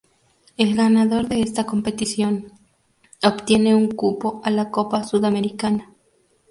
El ganador de esta competición obtiene un cupo a la Copa Sudamericana.